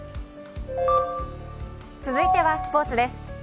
続いてはスポーツです。